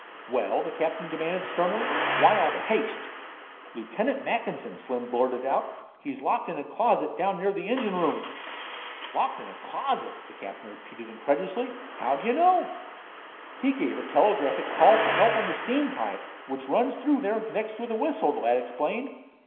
"Well?" the captain demanded sternly. "Why all the haste?" "Lieutenant Mackinson," Slim blurted out; "he's locked in a closet down near the engine room." "Locked in a closet!" the captain repeated incredulously. "How do you know?" "He gave a telegraphic call for help on the steam pipe which runs through there and connects with the whistle," the lad explained.